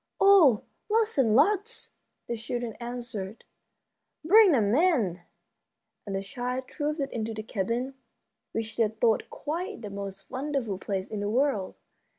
"Oh, lots and lots!" the children answered. "Bring them in." And the children trooped into the cabin, which they thought quite the most wonderful place in the world.